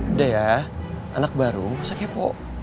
udah ya anak baru sekepo